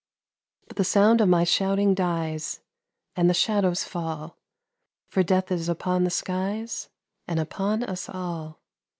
But the sound of my shouting dies, And the shadows fall, For Death is upon the skies And upon us all.